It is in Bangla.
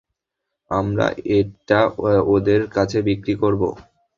আমরা এটা ওদের কাছে বিক্রি করব।